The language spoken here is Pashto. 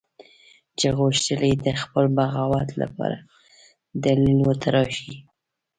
چې غوښتل یې د خپل بغاوت لپاره دلیل وتراشي.